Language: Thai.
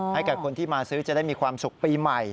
ให้กับคนที่มาซื้อจะได้มีความสุขปีใหม่